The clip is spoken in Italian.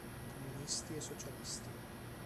Comunisti e Socialisti.